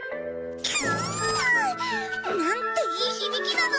くぅ！なんていい響きなの！